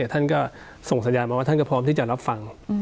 ท่านก็ส่งสัญญาณมาว่าท่านก็พร้อมที่จะรับฟัง